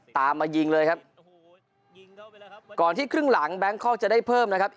ตามมายิงเลยครับก่อนที่ครึ่งหลังแบงคอกจะได้เพิ่มนะครับ